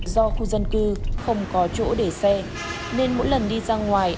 do khu dân cư không có chỗ để xe nên mỗi lần đi ra ngoài